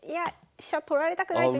飛車取られたくないと。